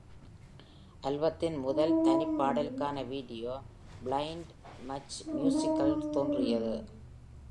ஆல்பத்தின் முதல் தனிப்பாடலுக்கான video, "Blind", Much மியூசிக்கில் தோன்றியது.